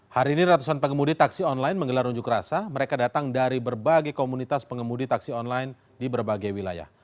hari ini ratusan pengemudi taksi online menggelar unjuk rasa mereka datang dari berbagai komunitas pengemudi taksi online di berbagai wilayah